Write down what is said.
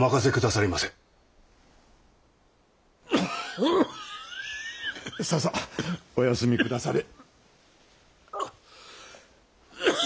ささお休み下され。